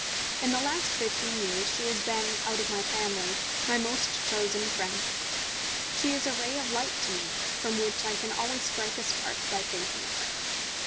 In the last fifteen years she has been, out of my family, my most chosen friend. She is a ray of light to me, from which I can always strike a spark by thinking of her.